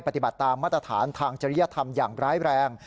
ปฏิบัติตามมาตรฐานทางจริยธรรมอย่างร้ายแรง